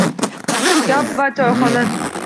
Gap va choyxona